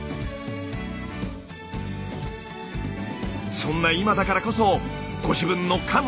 そんな今だからこそご自分のかむ